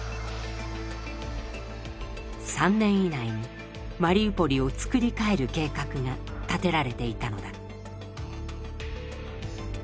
３年以内にマリウポリを作り変える計画が立てられていたのだ。